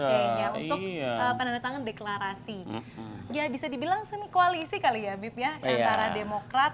menarik ya untuk penandatangan deklarasi bisa dibilang semi koalisi kali ya mipya demokrat